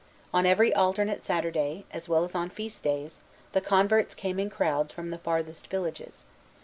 On every alternate Saturday, as well as on feast days, the converts came in crowds from the farthest villages.